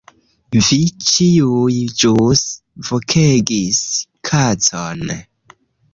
Vi ĉiuj ĵus vokegis "kacon"